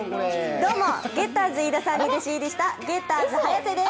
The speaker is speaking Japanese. どうも、ゲッターズ飯田さんに弟子入りしたゲッターズはやてです。